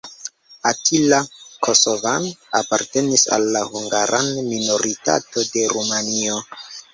Attila Cosovan apartenis al la hungara minoritato de Rumanio.